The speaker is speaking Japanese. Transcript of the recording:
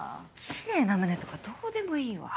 奇麗な胸とかどうでもいいわ。